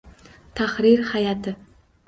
Tahrir hayʼati